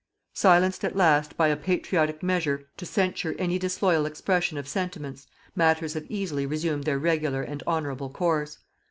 Silenced at last by a patriotic measure to censure any disloyal expression of sentiments, matters have easily resumed their regular and honourable course.